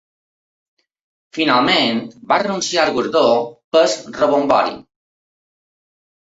Finalment, va renunciar al guardó pel rebombori.